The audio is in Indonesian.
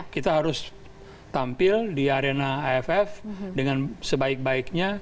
kita harus tampil di arena aff dengan sebaik baiknya